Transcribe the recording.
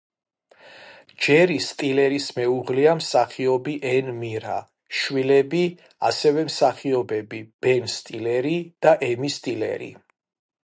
ჯერი სტილერის მეუღლეა მსახიობი ენ მირა, შვილები: ასევე მსახიობები ბენ სტილერი და ემი სტილერი.